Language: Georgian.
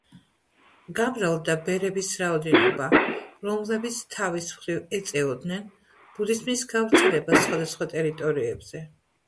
გამრავლდა ბერების რაოდენობა, რომლებიც თავის მხრივ ეწეოდნენ ბუდიზმის გავრცელებას სხვადასხვა ტერიტორიებზე.